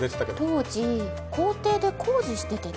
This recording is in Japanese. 当時校庭で工事しててね